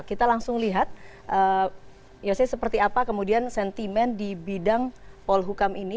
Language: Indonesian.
kita langsung lihat yose seperti apa kemudian sentimen di bidang polhukam ini